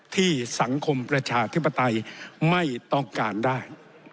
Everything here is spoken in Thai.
ที่สังคมประชาธิปไตยไม่ต้องการได้